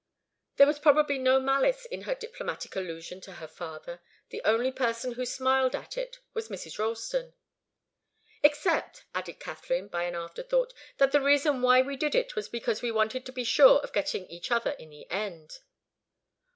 There was probably no malice in her diplomatic allusion to her father. The only person who smiled at it was Mrs. Ralston. "Except," added Katharine, by an afterthought, "that the reason why we did it was because we wanted to be sure of getting each other in the end."